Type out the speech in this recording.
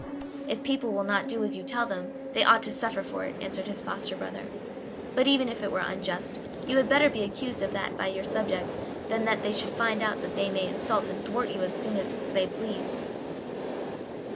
"If people will not do as you tell them they ought to suffer for it," answered his foster brother; "but even if it were unjust, you had better be accused of that by your subjects than that they should find out that they may insult and thwart you as often as they please."